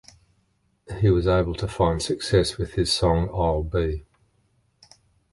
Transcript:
He was able to find success with his song I'll Be.